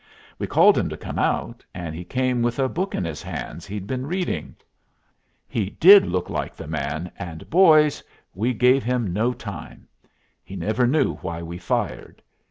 We called him to come out, and he came with a book in his hands he'd been reading. He did look like the man, and boys! we gave him no time! He never knew why we fired.